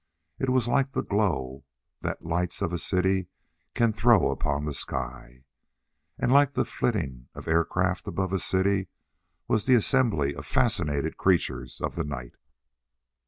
It was like the glow the lights of a city can throw upon the sky. And like the flitting of aircraft above a city was the assembly of fascinated creatures of the night.